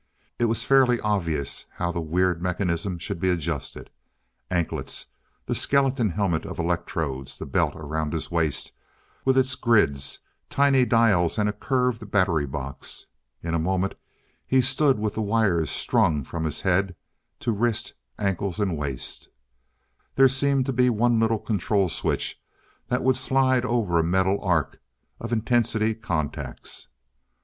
It was fairly obvious how the weird mechanism should be adjusted anklets, the skeleton helmet of electrodes, the belt around his waist, with its grids, tiny dials and curved battery box. In a moment he stood with the wires strung from his head, to wrist, ankles and waist. There seemed but one little control switch that would slide over a metal arc of intensity contacts.